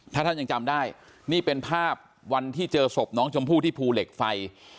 ถ้าท่านยังจำได้นี่เป็นภาพวันที่เจอศพน้องชมพู่ที่ภูเหล็กไฟ